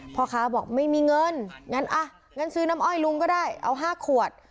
พ่อค้าบอกไม่มีเงินงั้นอ่ะงั้นซื้อน้ำอ้อยลุงก็ได้เอา๕ขวด